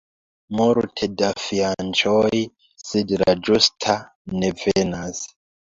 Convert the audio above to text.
Multe da fianĉoj, sed la ĝusta ne venas.